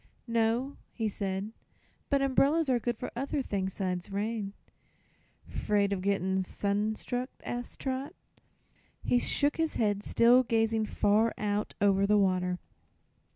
"No," he said; "but umbrellas are good for other things 'sides rain." "'Fraid of gett'n' sun struck?" asked Trot. He shook his head, still gazing far out over the water.